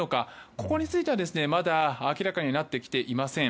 ここについては、まだ明らかになってきていません。